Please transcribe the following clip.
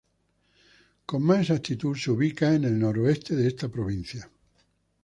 Con más exactitud, se ubica en el noroeste de esta provincia.